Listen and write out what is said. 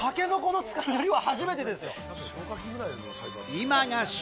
今が旬。